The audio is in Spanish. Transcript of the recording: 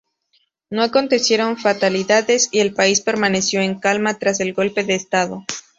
No acontecieron fatalidades y el país permaneció en calma tras el golpe de Estado.